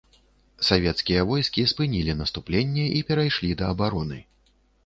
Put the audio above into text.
Савецкія войскі спынілі наступленне і перайшлі да абароны.